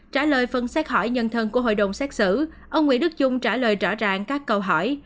trả lời phân xét hỏi nhân thân của hội đồng xét xử ông nguyễn đức trung trả lời rõ ràng các câu hỏi